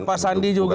pak sandi juga